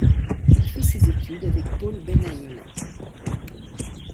Il a fait ses études avec Paul Ben-Haim.